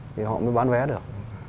thì họ mới bán vé được